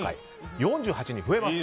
４８に増えます。